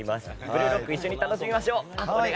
「ブルーロック」一緒に楽しみましょう。